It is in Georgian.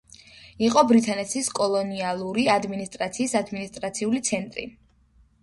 იყო ბრიტანეთის კოლონიალური ადმინისტრაციის ადმინისტრაციული ცენტრი.